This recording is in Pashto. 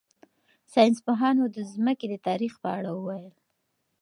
ساینس پوهانو د ځمکې د تاریخ په اړه وویل.